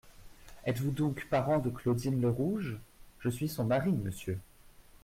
Êtes-vous donc parent de Claudine Lerouge ? Je suis son mari, monsieur.